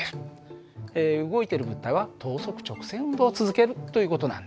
動いている物体は等速直線運動を続けるという事なんだ。